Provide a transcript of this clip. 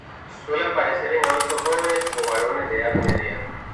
Suele aparecer en adultos jóvenes o varones de edad media.